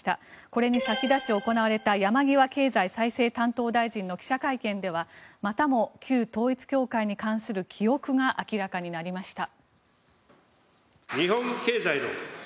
これに先立ち行われた山際経済再生担当大臣の記者会見ではまたも旧統一教会に関する記憶が明らかになりました。